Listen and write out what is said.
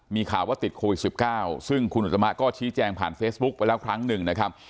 มีข่าวว่าติดโควิด๑๙ซึ่งคุณอุตมะก็ชี้แจงผ่านเฟซบุ๊กไปแล้วครั้งหนึ่งนะครับ